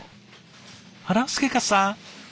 あら？祐勝さん？